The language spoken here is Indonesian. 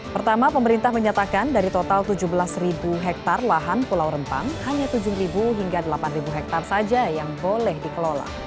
pertama pemerintah menyatakan dari total tujuh belas hektare lahan pulau rempang hanya tujuh hingga delapan hektare saja yang boleh dikelola